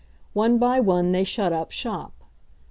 One by one they shut up shop.